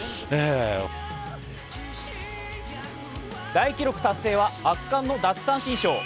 大記録達成は圧巻の奪三振ショー。